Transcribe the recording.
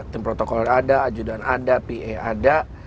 tim protokol ada adjudan ada pa ada